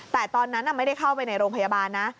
แต่ตอนนั้นไม่ได้เข้าไปในโรงพยาบาลนะ